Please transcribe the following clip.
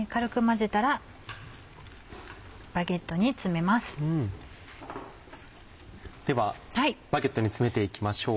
ではバゲットに詰めて行きましょう。